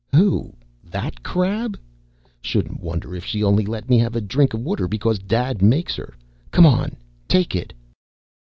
"Who? That crab? Shouldn't wonder if she only let me have a drink of water because Dad makes her. Come on. Take it."